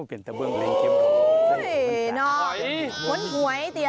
โอ้โหน้องมนต์หวยส์เตี๋ยวอะ